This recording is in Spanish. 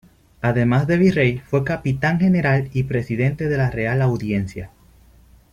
Además de Virrey, fue Capitán General y Presidente de la Real Audiencia.